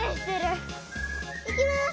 いきます！